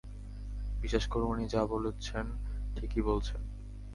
বিশ্বাস করুন, উনি যা বলছেন ঠিকই বলছেন।